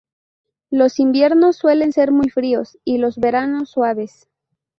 Los inviernos suelen ser muy fríos y los veranos suaves.